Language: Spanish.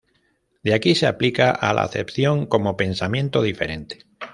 De aquí se aplica a la acepción como "pensamiento diferente".